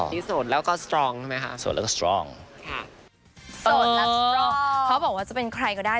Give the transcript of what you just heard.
ที่สุดแล้วก็สตรองใช่ไหมคะโสดแล้วก็สตรองค่ะโสดแล้วสตรองเขาบอกว่าจะเป็นใครก็ได้